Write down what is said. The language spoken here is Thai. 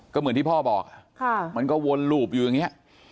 ก็เหมือนที่พ่อบอกมันก็วนหลูบอยู่อย่างนี้